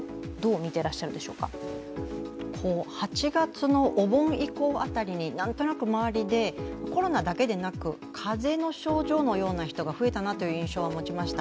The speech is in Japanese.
８月のお盆以降あたりになんとなく周りでコロナだけでなく、風邪の症状のような人が増えた印象を受けました。